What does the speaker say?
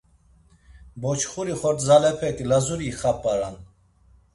Boçxuri xordzalepek Lazuri ixap̌aran.